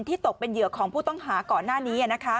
ตกเป็นเหยื่อของผู้ต้องหาก่อนหน้านี้